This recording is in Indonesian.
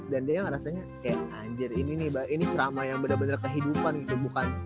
dan dia rasanya kayak anjir ini nih ini ceramah yang bener bener kehidupan gitu